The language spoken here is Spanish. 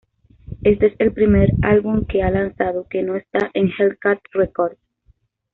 Éste es el primer álbum que han lanzado que no está en Hellcat Records.